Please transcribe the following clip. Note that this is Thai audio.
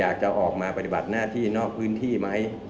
อยากจะออกมาปฏิบัติหน้าที่นอกพื้นที่ไหม